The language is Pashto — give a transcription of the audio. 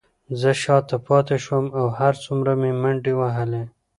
زه شاته پاتې شوم، هر څومره مې منډې وهلې،